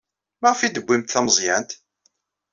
Maɣef ay d-tewwimt tameẓyant?